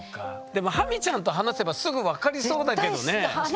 でもハミちゃんと話せばすぐ分かりそうだけどね。